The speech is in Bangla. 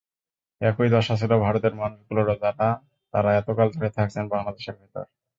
একই দশা ছিল ভারতের মানুষগুলোরও, তাঁরা এতকাল ধরে থাকছেন বাংলাদেশের ভেতর।